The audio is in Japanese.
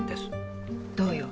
どうよ？